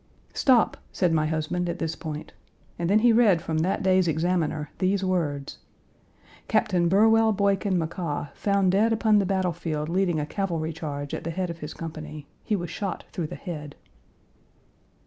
"Stop!" said my husband at this point, and then he read from that day's Examiner these words: "Captain Burwell Boykin McCaa found dead upon the battle field leading a cavalry charge at the head of his company. He was shot through the head."